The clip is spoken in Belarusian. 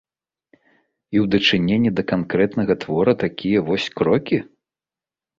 І ў дачыненні да канкрэтнага твора такія вось крокі?